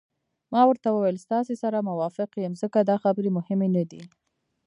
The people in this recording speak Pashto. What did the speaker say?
ما ورته وویل: ستاسي سره موافق یم، ځکه دا خبرې مهمې نه دي.